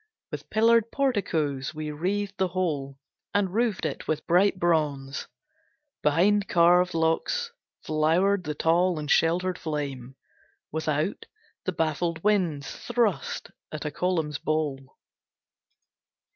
With pillared porticos we wreathed the whole, And roofed it with bright bronze. Behind carved locks Flowered the tall and sheltered flame. Without, The baffled winds thrust at a column's bole.